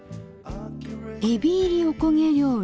えび入りおこげ料理。